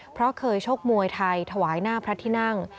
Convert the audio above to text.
เพราะเคยชกมวยไทยถวายหน้าพระที่นั่ง